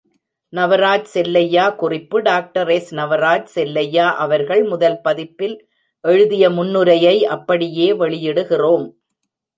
நவராஜ் செல்லையா குறிப்பு டாக்டர்.எஸ்.நவராஜ் செல்லையா அவர்கள் முதல் பதிப்பில் எழுதிய முன்னுரையை அப்படியே வெளியிடுகிறோம்.